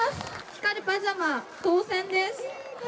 光るパジャマ、当せんです。